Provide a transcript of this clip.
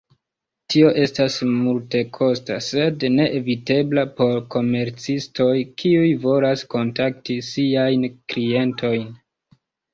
Tio estas multekosta, sed neevitebla por komercistoj kiuj volas kontakti siajn klientojn.